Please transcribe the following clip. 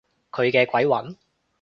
佢嘅鬼魂？